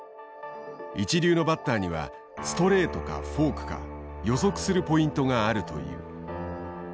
一流のバッターにはストレートかフォークか予測するポイントがあるという。